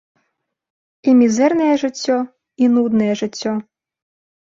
І мізэрнае жыццё, і нуднае жыццё.